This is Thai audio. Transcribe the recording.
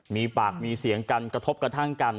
มีปากมีเสียงกันกระทบกระทั่งกัน